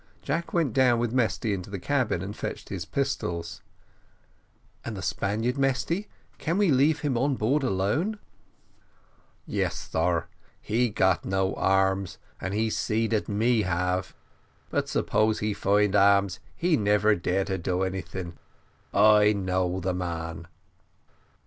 Jack went down with Mesty into the cabin and fetched his pistols "And the Spaniard, Mesty, can we leave him on board alone?" "Yes, sar, he no got arms, and he see dat we have but suppose he find arms he never dare do any thing I know de man."